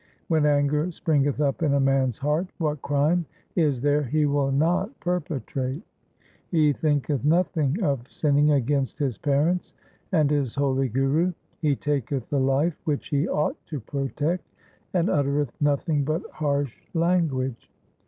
When anger springeth up in a man's heart, what crime is there he will not perpetrate ? He thinketh nothing of sinning against his parents and his holy Guru. He taketh the life which he ought to protect, and utter eth nothing but harsh language.